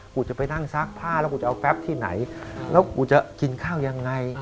กูจะไปนั่งซักผ้าแล้วกูจะเอาแป๊บที่ไหนแล้วกูจะกินข้าวยังไง